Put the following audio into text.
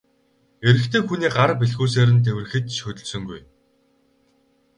Эрэгтэй хүний гар бэлхүүсээр нь тэврэхэд ч хөдөлсөнгүй.